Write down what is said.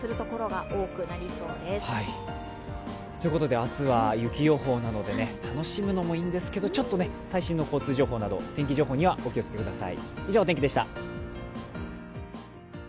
明日は雪予報なので、楽しむのもいいんですけど、ちょっと最新の交通情報、天気情報にはお気を付けください。